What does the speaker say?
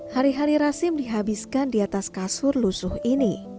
hari hari rasim dihabiskan di atas kasur lusuh ini